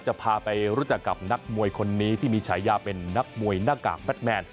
จะพาไปรู้จักกับนักมวยคนนี้ที่มีฉายาเป็นนักมวยหน้ากากแมทแมน